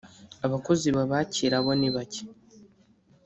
abakozi babakira bo ni bake